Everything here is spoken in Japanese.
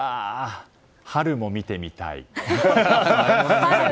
春も見てみたい。